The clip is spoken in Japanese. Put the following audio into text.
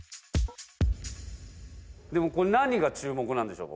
でもこれ何が注目なんでしょうか？